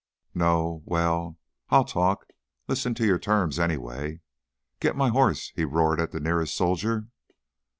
"No! Well, I'll talk ... listen to your terms anyway. Get my horse!" he roared at the nearest soldier.